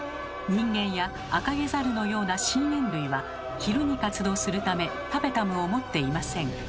人間やアカゲザルのような真猿類は昼に活動するためタペタムを持っていません。